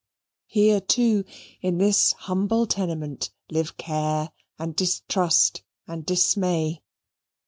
Here, too, in this humble tenement, live care, and distrust, and dismay.